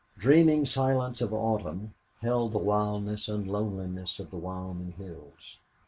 Dreaming silence of autumn held the wildness and loneliness of the Wyoming hills.